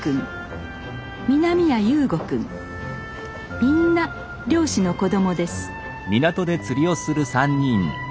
みんな漁師の子どもです。